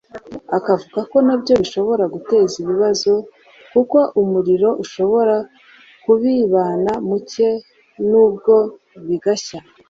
akavuga ko nabyo bishobora guteza ibibazo kuko umuriro ushobora kubibana muke nabwo bigashya